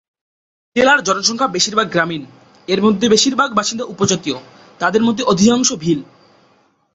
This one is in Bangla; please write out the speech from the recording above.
জেলার জনসংখ্যার বেশিরভাগ গ্রামীণ, এর মধ্যে বেশিরভাগ বাসিন্দা উপজাতীয়, তাদের মধ্যে অধিকাংশ ভিল।